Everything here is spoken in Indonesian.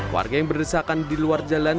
warga yang berdesakan di luar jalan